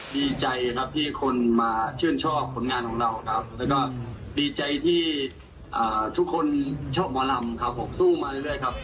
ดีใจครับที่คนมาชื่นชอบผลงานของเราครับแล้วก็ดีใจที่ทุกคนชอบหมอลำครับผมสู้มาเรื่อยครับ